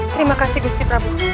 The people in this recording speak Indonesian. terima kasih gusti prabu